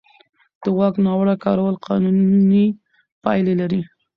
د واک ناوړه کارول قانوني پایلې لري.